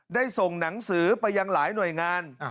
ได้ส่งหนังสือไปยังหลายหน่วยงาน